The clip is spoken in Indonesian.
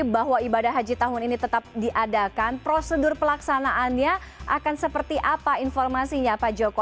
bahwa ibadah haji tahun ini tetap diadakan prosedur pelaksanaannya akan seperti apa informasinya pak joko